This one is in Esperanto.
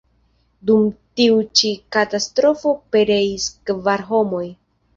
Dum tiu ĉi katastrofo pereis kvar homoj.